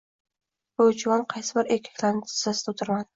«Bu juvon qaysi bir erkaklarni tizzasida o‘tir-madi